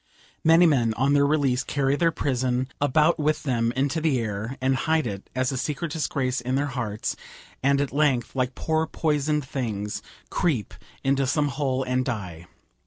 Many men on their release carry their prison about with them into the air, and hide it as a secret disgrace in their hearts, and at length, like poor poisoned things, creep into some hole and die.